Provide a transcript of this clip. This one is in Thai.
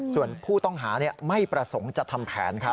ส่วนผู้ต้องหาไม่ประสงค์จะทำแผนครับ